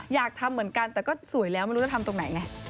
อยากทำเหมือนกันแต่ก็สวยแล้วไม่รู้จะทำตรงไหนไง